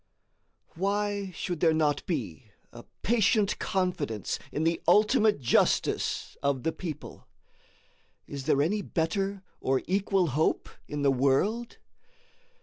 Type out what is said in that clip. Why should there not be a patient confidence in the ultimate justice of the people? Is there any better or equal hope in the world?